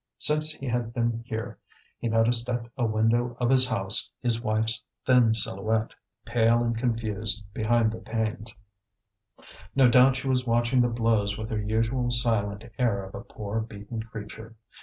Since he had been here he noticed at a window of his house his wife's thin silhouette, pale and confused, behind the panes; no doubt she was watching the blows with her usual silent air of a poor beaten creature.